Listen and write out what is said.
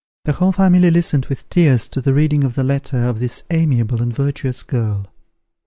The whole family listened with tears to the reading of the letter of this amiable and virtuous girl.